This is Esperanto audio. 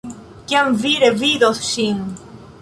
Kiam vi revidos ŝin?